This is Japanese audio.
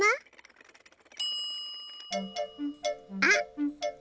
あっ！